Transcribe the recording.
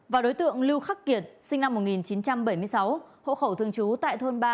và đối tượng lưu khắc kiệt sinh năm một nghìn chín trăm bảy mươi sáu hộ khẩu thường trú tại thôn ba